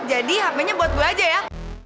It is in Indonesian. jadi handphonenya buat gue aja ya